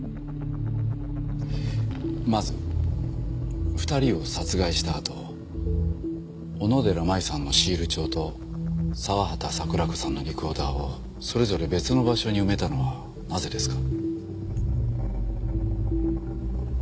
まず２人を殺害したあと小野寺舞さんのシール帳と澤畠桜子さんのリコーダーをそれぞれ別の場所に埋めたのはなぜですか？